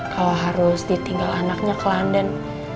kalau harus ditinggal anaknya ke london